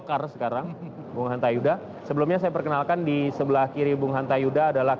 dan saya ingin mengingatkan kepada anda apakah pemilihan ini akan berjaya atau tidak